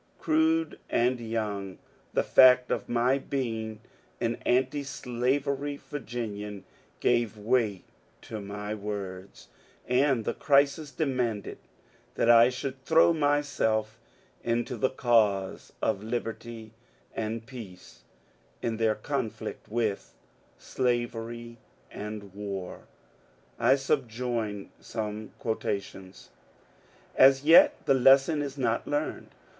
Crude and young, the fact of my being an antislavery Virginian gave weight to my words, and the crisis demanded that I should throw myself into the cause of Liberty and Peace in their conflict with Slavery and War. I subjoin some quotations :— As yet the lesson is not learned.